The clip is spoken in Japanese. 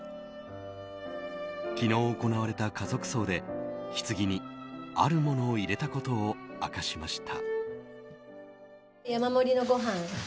昨日行われた家族葬でひつぎにあるものを入れたことを明かしました。